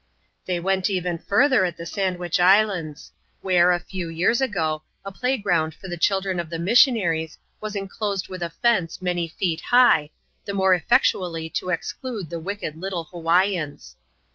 They went even further at the Sandwich Islands ; where, a few years ago, a play ground for the children of the missionaries was inclosed with a fence many feet high, the more effectually to exclude the wicked little Hawaiians.